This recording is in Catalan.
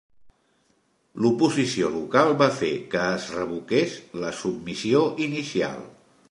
L'oposició local va fer que es revoqués la submissió inicial.